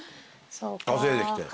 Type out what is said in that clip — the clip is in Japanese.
稼いできて。